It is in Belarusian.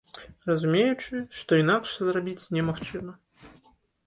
Разумеючы, што інакш зрабіць немагчыма.